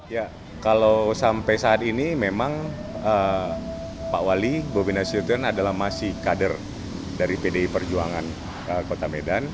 ya kalau sampai saat ini memang pak wali bobi nasution adalah masih kader dari pdi perjuangan kota medan